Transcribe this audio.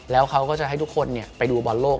แล้วเขาก็จะให้ทุกคนไปดูบอลโลก